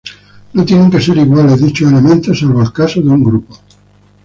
No tienen que ser iguales dichos elementos, salvo el caso de un grupo.